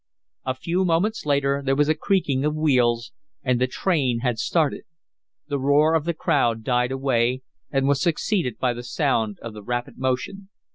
A few moments later there was a creaking of wheels and the "train" had started. The roar of the crowd died away and was succeeded by the sound of the rapid motion.